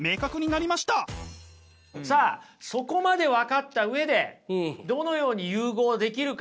さあそこまで分かった上でどのように融合できるか。